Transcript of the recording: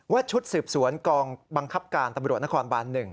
ชุดสืบสวนกองบังคับการตำรวจนครบาน๑